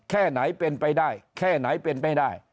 แค่ไหนเป็นไปได้แค่ไหนเป็นไม่ได้